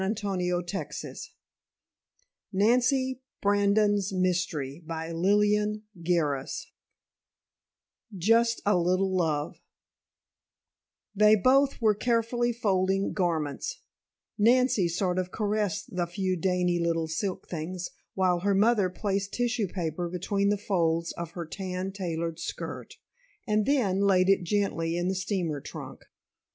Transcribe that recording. FANTASY 283 NANCY BRANDON: IDEALIST CHAPTER I JUST A LITTLE LOVE They both were carefully folding garments Nancy sort of caressed the few dainty little silk things while her mother placed tissue paper between the folds of her tan tailored skirt, and then laid it gently in the steamer trunk.